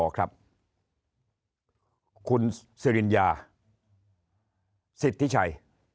คุณซิรินยาซิตธิชัย